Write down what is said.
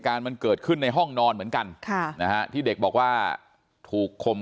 การมันเกิดขึ้นในห้องนอนเหมือนกันค่ะนะฮะที่เด็กบอกว่าถูกคม